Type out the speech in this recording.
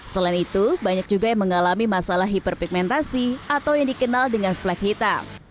selain itu banyak juga yang mengalami masalah hiperpigmentasi atau yang dikenal dengan flag hitam